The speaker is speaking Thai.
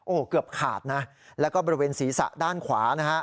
โอ้โหเกือบขาดนะแล้วก็บริเวณศีรษะด้านขวานะฮะ